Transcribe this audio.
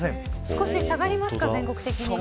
少し下がりますか、全国的に。